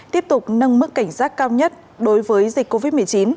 tiếp tục nâng mức cảnh giác cao nhất đối với dịch covid một mươi chín